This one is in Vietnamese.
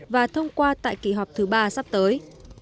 và thông qua tại kỳ họp thứ ba sắp tới